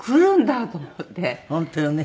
本当よね。